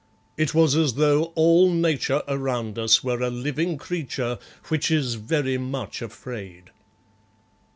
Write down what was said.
It was as though all Nature around us were a living creature which is very much afraid.